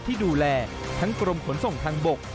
ที่ดูแลทั้งกรมขนส่งทางบก